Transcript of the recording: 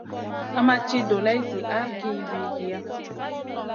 Sa ma ci dolay zi ahrki wiykiya.